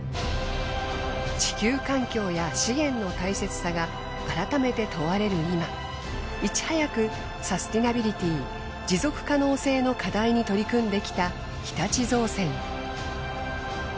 地球環境や資源の大切さが改めて問われる今いち早くサステイナビリティー持続可能性の課題に取り組んできた日立造船。